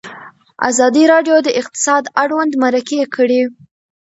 ازادي راډیو د اقتصاد اړوند مرکې کړي.